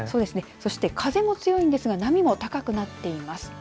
そして風も強いんですが波も高くなっています。